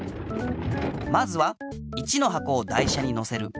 まずは１のはこを台車にのせる。